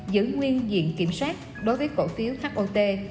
giữ nguyên diện kiểm soát đối với cổ phiếu hot